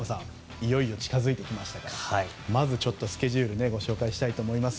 いよいよ近づいてきましたがまずスケジュールをご紹介したいと思います。